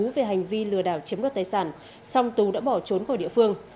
về hành vi lừa đảo chiếm đoạt tài sản xong tú đã bỏ trốn khỏi địa phương